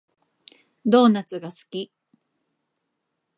ドーナツが好き